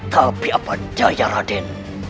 tapi apa daya raden